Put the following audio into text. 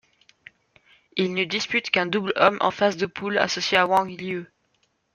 Il ne dispute qu'un double hommes en phase de poule, associé à Wang Yilü.